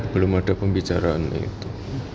belum ada pembicaraan itu